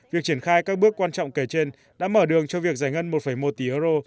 việc triển khai các bước quan trọng kể trên đã mở đường cho việc giải ngân một một tỷ euro